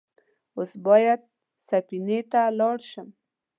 اوس بايد سفينې ته لاړ شم.